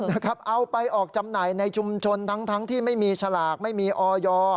เอาไปออกจำหน่ายในชุมชนทั้งที่ไม่มีฉลากไม่มีออย